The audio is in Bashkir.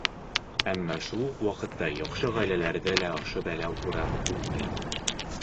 Әммә шул уҡ ваҡытта яҡшы ғаиләләрҙе лә ошо бәлә урап үтмәй.